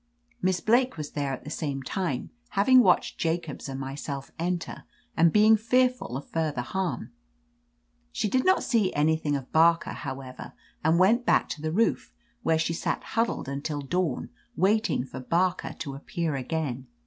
Miss Blake was there at the same time, having watched Jacobs and myself enter, and being fearful of further harm. She did not see anything of Barker, however, and went back to the roof, where she sat huddled imtil dawn, waiting for Barker to appear again.